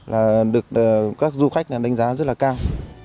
là được các du khách đánh giá rất là cao